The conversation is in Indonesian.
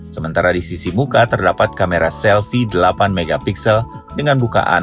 sementara di sisi muka terdapat kamera selfie delapan mp dengan bukaan